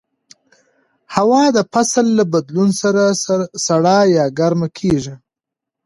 هوا د فصل له بدلون سره سړه یا ګرمه کېږي